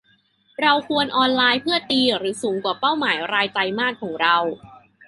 เราควรออนไลน์เพื่อตีหรือสูงกว่าเป้าหมายรายไตรมาสของเรา